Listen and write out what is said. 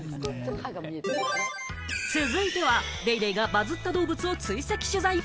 続いては『ＤａｙＤａｙ．』がバズった動物を追跡取材。